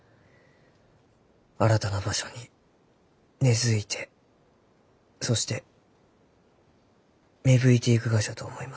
新たな場所に根づいてそして芽吹いていくがじゃと思います。